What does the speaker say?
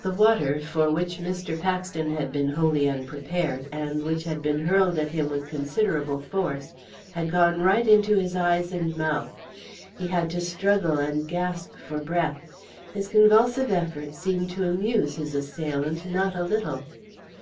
The water, for which Mr. Paxton had been wholly unprepared, and which had been hurled at him with considerable force, had gone right into his eyes and mouth. He had to struggle and gasp for breath. His convulsive efforts seemed to amuse his assailant not a little.